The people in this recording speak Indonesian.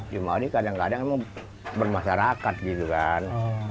di mali kadang kadang memang bermasyarakat gitu kan